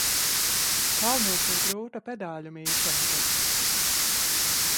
Kalnos ir grūta pedāļu mīšana taču.